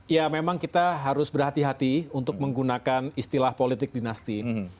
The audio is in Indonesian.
ya memang kita harus berhati hati untuk menggunakan istilah politik dinasti